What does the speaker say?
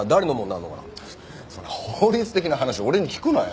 そんな法律的な話俺に聞くなよ。